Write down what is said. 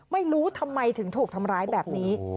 ไม่รู้ทำไมถึงถูกทำร้ายแบบนี้